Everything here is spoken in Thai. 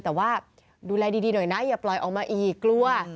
แต่ว่าดูแลดีหน่อยนะอย่าปล่อยออกมาอีกกลัว